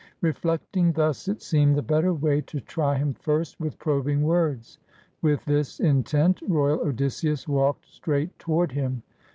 Reflecting thus, it seemed the better way to try him first with probing words. With this intent, royal Odysseus walked straight toward him.